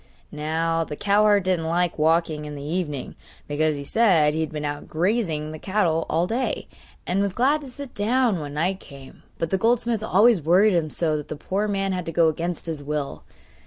Now the cowherd didn't like walking in the evening, because, he said, he had been out grazing the cattle all day, and was glad to sit down when night came; but the goldsmith always worried him so that the poor man had to go against his will.